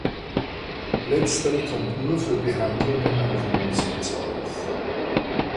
Letztere kommt nur für Behandlungen am Wohnsitz auf.